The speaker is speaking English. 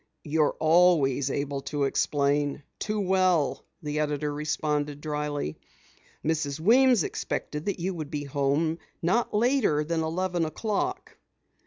"You're always able to explain too well," the editor responded dryly. "Mrs. Weems expected that you would be home not later than eleven o'clock."